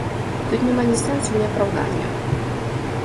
Тут няма ні сэнсу, ні апраўдання.